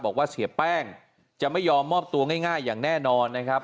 บอกว่าเสียแป้งจะไม่ยอมมอบตัวง่ายอย่างแน่นอนนะครับ